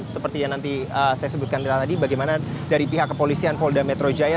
seperti yang nanti saya sebutkan tadi bagaimana dari pihak kepolisian polda metro jaya